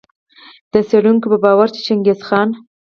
د څېړونکو په باور چي چنګیز خان